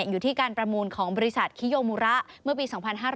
อยู่ที่การประมูลของบริษัทคิโยมูระเมื่อปี๒๕๕๙